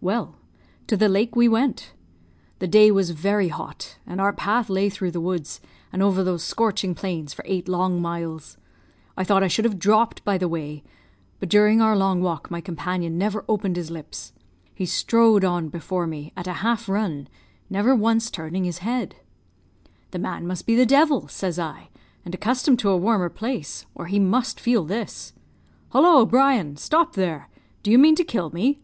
"Well, to the lake we went. The day was very hot, and our path lay through the woods, and over those scorching plains, for eight long miles. I thought I should have dropped by the way; but during our long walk my companion never opened his lips. He strode on before me, at a half run, never once turning his head. "'The man must be the devil!' says I, 'and accustomed to a warmer place, or he must feel this. Hollo, Brian! Stop there! Do you mean to kill me?'